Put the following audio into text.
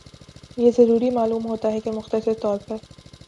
یہ ضروری معلوم ہوتا ہے کہ مختصر طور پر